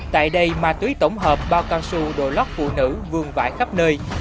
tại đây ma túy tổng hợp bao con su đồ lót phụ nữ vương vãi khắp nơi